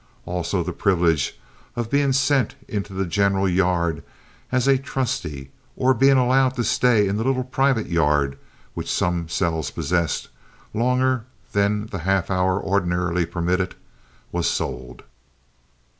Also the privilege of being sent into the general yard as a "trusty," or being allowed to stay in the little private yard which some cells possessed, longer than the half hour ordinarily permitted, was sold.